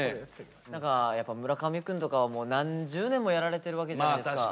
何かやっぱり村上くんとかはもう何十年もやられてるわけじゃないですか。